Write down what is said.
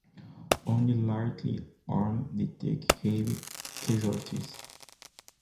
Only lightly armed, they take heavy casualties.